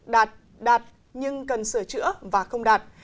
đạt đạt nhưng cần sửa chữa và không đạt